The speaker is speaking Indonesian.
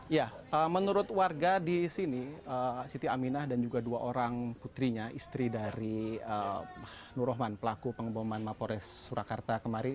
ya menurut warga di sini siti aminah dan juga dua orang putrinya istri dari nur rohman pelaku pengeboman mapores surakarta kemarin